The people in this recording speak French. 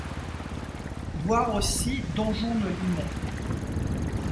Voir aussi Donjon de Limont.